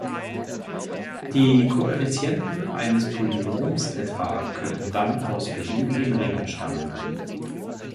Die Koeffizienten eines Polynoms etwa können dann aus beliebigen Ringen stammen.